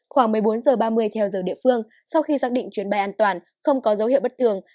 khoảng một mươi bốn h ba mươi theo giờ địa phương sau khi xác định chuyến bay an toàn không có dấu hiệu bất thường